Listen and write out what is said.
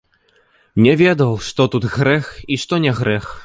Не ведаў, што тут грэх і што не грэх.